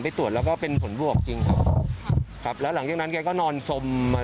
ตรวจแล้วก็เป็นผลบวกจริงครับครับแล้วหลังจากนั้นแกก็นอนสมมา